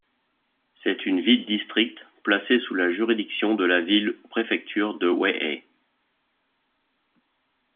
C'est une ville-district placée sous la juridiction de la ville-préfecture de Weihai.